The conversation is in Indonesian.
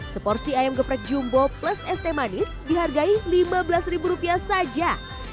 seporsi ayam geprek jumbo plus es teh manis dihargai lima belas ribu rupiah saja